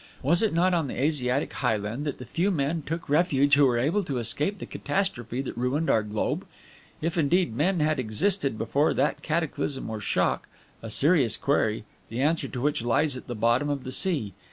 Was it not on the Asiatic highland that the few men took refuge who were able to escape the catastrophe that ruined our globe if, indeed men had existed before that cataclysm or shock? A serious query, the answer to which lies at the bottom of the sea.